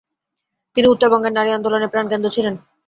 তিনি উত্তরবঙ্গের নারী-আন্দোলনে প্রাণকেন্দ্র ছিলেন।